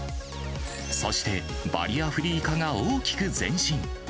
そして、バリアフリー化が大きく前進。